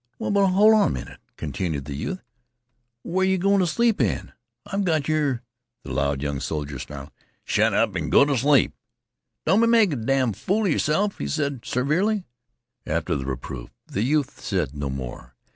"Well, but hol' on a minnit," continued the youth. "What yeh goin' t' sleep in? I've got your " The loud young soldier snarled: "Shet up an' go on t' sleep. Don't be makin' a damn' fool 'a yerself," he said severely. After the reproof the youth said no more.